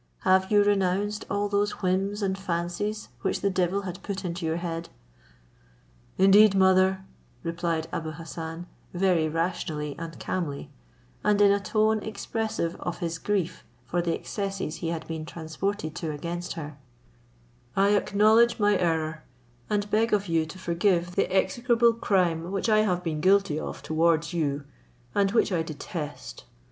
Have you renounced all those whims and fancies which the devil had put into your head?" "Indeed, mother," replied Abou Hassan, very rationally and calmly, and in a tone expressive of his grief for the excesses he had been transported to against her, "I acknowledge my error, and beg of you to forgive the execrable crime which I have been guilty of towards you, and which I detest.